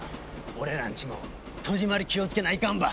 俺らんちも戸締り気をつけないかんばい。